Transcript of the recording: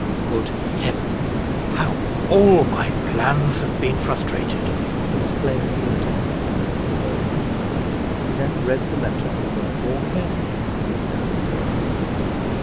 "Good Heaven! how all my plans have been frustrated!" exclaimed the intendant, when he was alone. He then read the letter over more carefully than he had done at first.